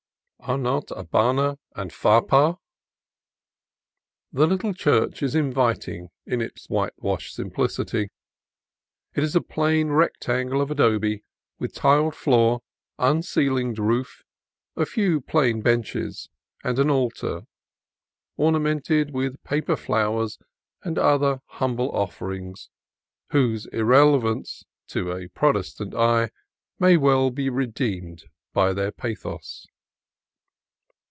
"Are not Abana and Phar par"— ? The little church is inviting in its whitewashed simplicity. It is a plain rectangle of adobe, with tiled floor, unceiled roof, a few plain benches, and an altar ornamented with paper flowers and other humble offerings whose irrelevance (to a Protestant eye) may well be redeemed by their pathos.